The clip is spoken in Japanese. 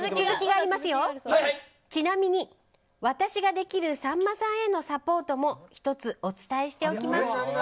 ちなみに私ができるさんまさんへのサポートも１つ、お伝えしておきます。